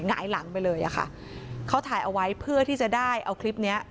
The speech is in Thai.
หงายหลังไปเลยอะค่ะเขาถ่ายเอาไว้เพื่อที่จะได้เอาคลิปเนี้ย